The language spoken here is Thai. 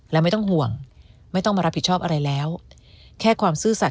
แล้วไม่ต้องห่วงไม่ต้องมารับผิดชอบอะไรแล้ว